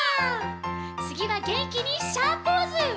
「つぎは元気にシャーポーズ！」